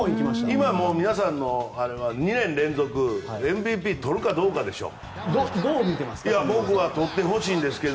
今皆さんのあれは２年連続ＭＶＰ取るかどうかでしょ。